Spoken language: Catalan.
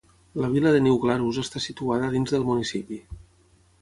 La vila de New Glarus està situada dins del municipi.